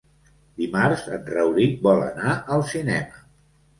Dimarts en Rauric vol anar al cinema.